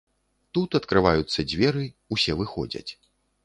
Тут адкрываюцца дзверы, усе выходзяць.